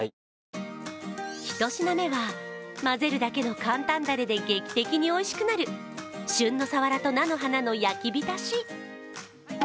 １品目はまぜるだけの簡単だれで劇的においしくなる旬のサワラと菜の花の焼きびたし。